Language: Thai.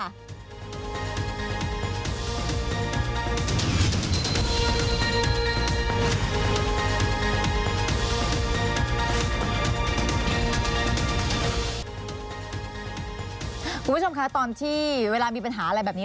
คุณผู้ชมคะตอนที่เวลามีปัญหาอะไรแบบนี้